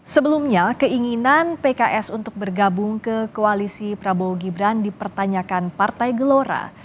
sebelumnya keinginan pks untuk bergabung ke koalisi prabowo gibran dipertanyakan partai gelora